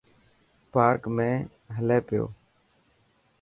پارڪ ۾ هلي پيو.